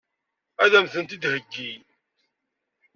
Ad m-tent-id-theggi?